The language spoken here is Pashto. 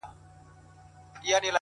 هوډ د نیمګړتیاوو پروا نه کوي،